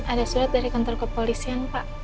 ada surat dari kantor kepolisian pak